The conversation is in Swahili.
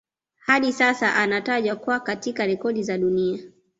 Hadi sasa anatajwa kwa katika rekodi za duniani